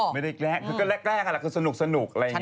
ไม่ได้แกล้งอะไรเค้าแกล้งแกล้ง